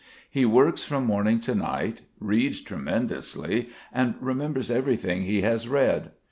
He works from morning to night, reads tremendously and remembers everything he has read.